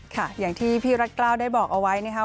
ค่ะอย่างที่พี่รักกล้าวได้บอกเอาไว้นะครับ